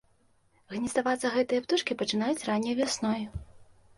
Гнездавацца гэтыя птушкі пачынаюць ранняй вясной.